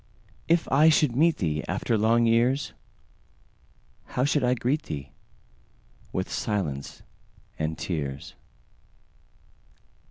If I should meet theeAfter long years, How should I greet thee?—With silence and tears.